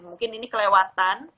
mungkin ini kelewatan